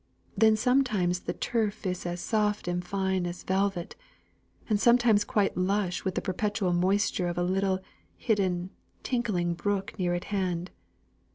Then sometimes the turf is as soft and fine as velvet; and sometimes quite lush with the perpetual moisture of a little, hidden, tinkling brook near at hand.